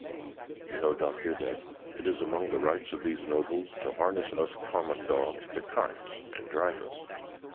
"'You know, Doctor, that it is among the Rights of these Nobles to harness us common dogs to carts, and drive us.